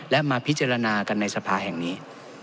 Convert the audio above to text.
และมาพิจารณากันในสภาแห่งนี้